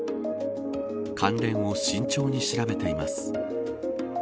関連を慎重に調べています。